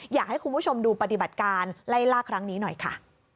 อยากให้คุณผู้ชมดูปฏิบัติการไล่ล่าครั้งนี้หน่อยค่ะ